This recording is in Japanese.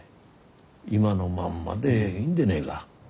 今のまんまでいいんでねえが？